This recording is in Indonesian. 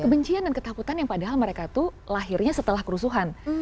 kebencian dan ketakutan yang padahal mereka tuh lahirnya setelah kerusuhan